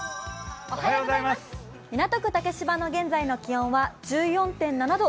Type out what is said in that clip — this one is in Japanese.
港区竹芝の現在の気温は１４．７度。